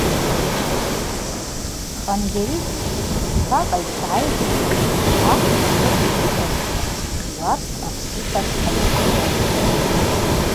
Хангьаригьи, Пакъа йчвгӏайгыз, ахча хыц йыцӏазшва, Уарп апсыхӏва дтанарххытӏ.